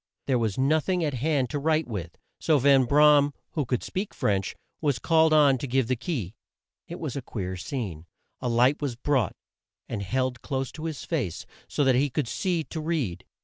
There was no thing at hand to write with, so Van Bra am, who could speak French, was called on to give the key. It was a queer scene. A light was brought, and held close to his face so that he could see to read.